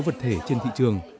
vật thể trên thị trường